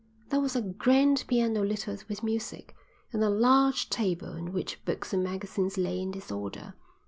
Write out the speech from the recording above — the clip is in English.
There was a grand piano littered with music, and a large table on which books and magazines lay in disorder.